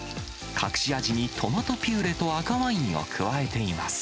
隠し味にトマトピューレと赤ワインを加えています。